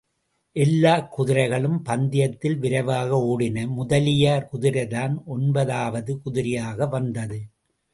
எல்லாக் குதிரைகளும் பந்தயத்தில் விரைவாக ஒடின முதலியார் குதிரைதான் ஒன்பது வது குதிரையாக வந்தது.